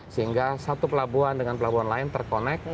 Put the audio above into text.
sehingga satu pelabuhan dengan pelabuhan lain terkonek